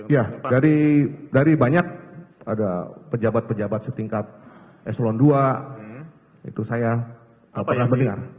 ya dari banyak ada pejabat pejabat setingkat eselon ii itu saya pernah mendengar